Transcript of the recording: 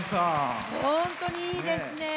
本当にいいですね。